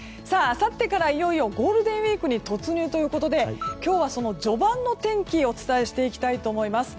あさってからいよいよゴールデンウィークに突入ということで今日はその序盤の天気をお伝えしていきたいと思います。